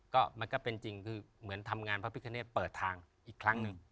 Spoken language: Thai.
ก็มันก็เป็นจริงคือเหมือนทำงานพระพิคเนตเปิดทางอีกครั้งหนึ่ง